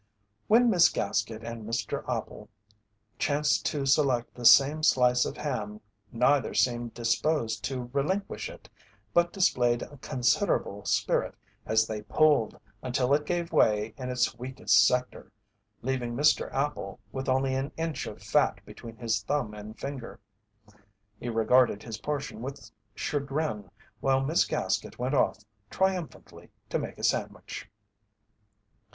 When Miss Gaskett and Mr. Appel chanced to select the same slice of ham neither seemed disposed to relinquish it but displayed considerable spirit as they pulled until it gave way in its weakest sector, leaving Mr. Appel with only an inch of fat between his thumb and finger. He regarded his portion with chagrin while Miss Gaskett went off triumphantly to make a sandwich.